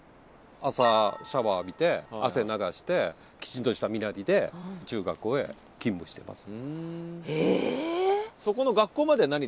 朝シャワー浴びて汗流してきちんとした身なりで中学校へ勤務してます。